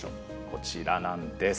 こちらなんです。